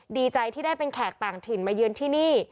ดีใจที่ได้เป็นแขกต่างถิ่นมาเยือนที่นี่